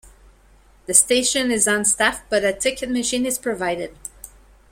The station is unstaffed, but a ticket machine is provided.